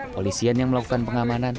polisian yang melakukan pengamanan